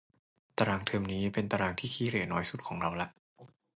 ตารางเทอมนี้เป็นตารางที่ขี้เหร่น้อยสุดของเราละ